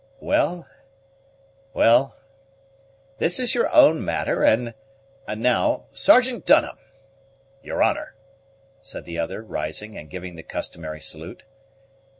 "Well, well, this is your own matter, and, now Sergeant Dunham!" "Your honor," said the other, rising, and giving the customary salute.